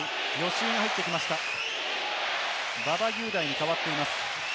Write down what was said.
馬場雄大に代わっています。